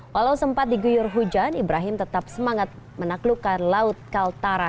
walau sempat diguyur hujan ibrahim tetap semangat menaklukkan laut kaltara